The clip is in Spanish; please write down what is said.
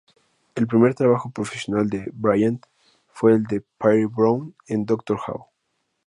El primer trabajo profesional de Bryant fue el de Peri Brown en "Doctor Who".